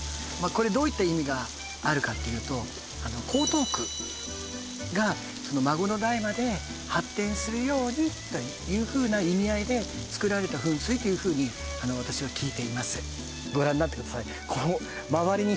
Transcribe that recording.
これどういった意味があるかっていうと江東区がその孫の代まで発展するようにというふうな意味合いでつくられた噴水というふうに私は聞いていますご覧なってくださいいや